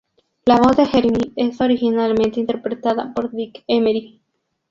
La voz Jeremy es originalmente interpretada por Dick Emery.